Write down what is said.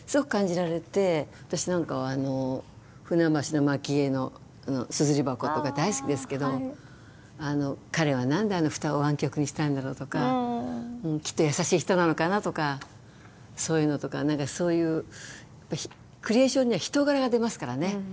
私なんかは舟橋蒔絵硯箱とか大好きですけど彼は何であの蓋を湾曲にしたんだろうとかきっと優しい人なのかなとかそういうのとか何かそういうクリエーションには人柄が出ますからね。